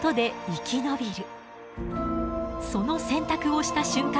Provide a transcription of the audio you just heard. その選択をした瞬間から